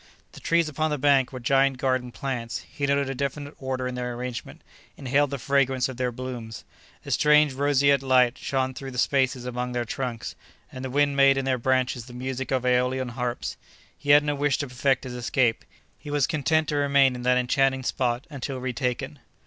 The trees upon the bank were giant garden plants; he noted a definite order in their arrangement, inhaled the fragrance of their blooms. A strange roseate light shone through the spaces among their trunks and the wind made in their branches the music of AEolian harps. He had not wish to perfect his escape—he was content to remain in that enchanting spot until retaken.